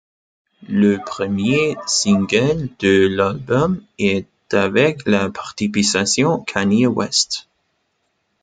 Le premier single de l'album est ' avec la participation Kanye West.